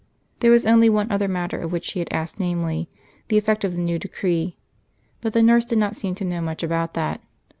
There was only one other matter of which she had asked, namely, the effect of the new decree; but the nurse did not seem to know much about that.